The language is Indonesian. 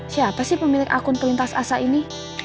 siapa sih pemilik akun pelintas asa ini